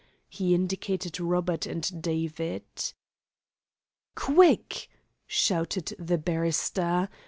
He indicated Robert and David. "Quick," shouted the barrister.